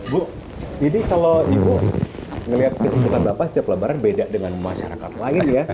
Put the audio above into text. bu ini kalau ibu melihat kesembuhan bapak setiap pembaraan beda dengan masyarakat lain